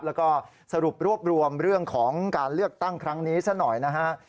แล้วก็สรุปรวบรวมเรื่องของการเลือกตั้งครั้งนี้ซะหน่อยนะฮะ